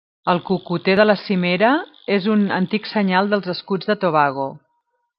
El cocoter de la cimera és un antic senyal dels escuts de Tobago.